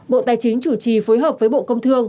bộ tài chính chủ trì phối hợp với bộ công thương